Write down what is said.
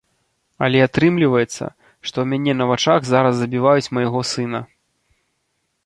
Але атрымліваецца, што ў мяне на вачах зараз забіваюць майго сына.